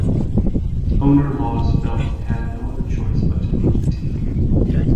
Owner Laws felt he had no other choice but to move the team.